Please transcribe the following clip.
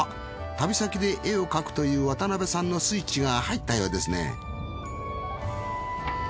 旅先で絵を描くという渡辺さんのスイッチが入ったようですね。